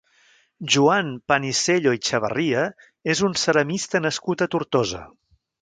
Joan Panisello i Chavarria és un ceramista nascut a Tortosa.